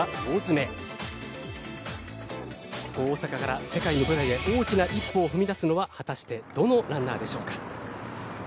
ここ大阪から世界の舞台へ大きな一歩を踏み出すのは果たしてどのランナーでしょうか。